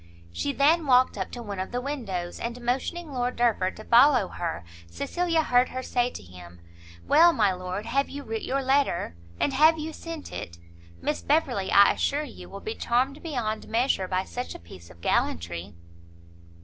She then walked up to one of the windows, and motioning Lord Derford to follow her, Cecilia heard her say to him, "Well, my lord, have you writ your letter? and have you sent it? Miss Beverley, I assure you, will be charmed beyond measure by such a piece of gallantry."